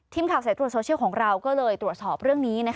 สายตรวจโซเชียลของเราก็เลยตรวจสอบเรื่องนี้